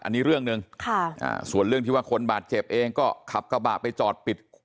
อันนี้เรื่องหนึ่งส่วนเรื่องที่ว่าคนบาดเจ็บเองก็ขับกระบะไปจอดปิด